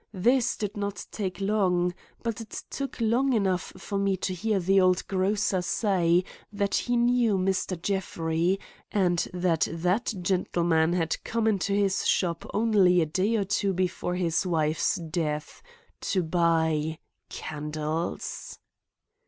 This did not take long, but it took long enough for me to hear the old grocer say that he knew Mr. Jeffrey, and that that gentleman had come into his shop only a day or two before his wife's death, to buy—_candles!